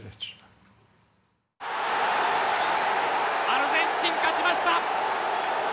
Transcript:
アルゼンチン勝ちました！